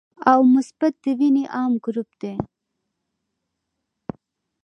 او مثبت د وینې عام ګروپ دی